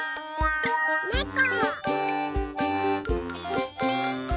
ねこ。